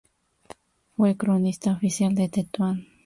Fue cronista oficial de Tetuán.